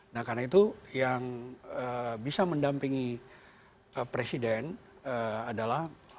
nah karena itu yang bisa mendampingi presiden adalah